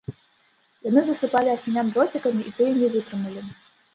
Яны засыпалі афінян дроцікамі і тыя не вытрымалі.